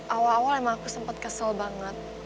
awal awal emang aku sempet kesel banget